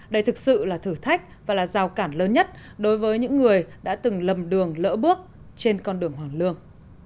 đây thực sự là thử thách và là rào cản lớn nhất đối với những người đã từng lầm đường lỡ bước trên con đường hoàn lương